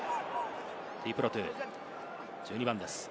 トゥイプロトゥ、１２番です。